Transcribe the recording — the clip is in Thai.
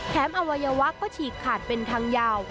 อวัยวะก็ฉีกขาดเป็นทางยาว